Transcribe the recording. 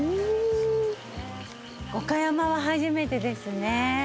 五箇山は初めてですね。